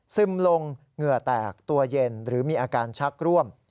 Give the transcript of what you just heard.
ซึมลงเหงื่อแตกตัวเย็นหรือมีอาการชักร่วม